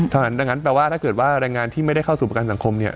ดังนั้นแปลว่าถ้าไล่งานที่ไม่ได้เข้าสู่ประกาศสังคม